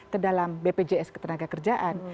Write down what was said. ke dalam bpjs ketenagakerjaan